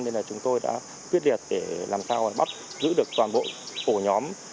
nên là chúng tôi đã quyết liệt để làm sao bắt giữ được toàn bộ ổ nhóm